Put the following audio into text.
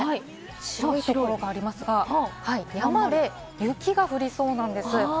白いところありますが、山で雪が降りそうなんです。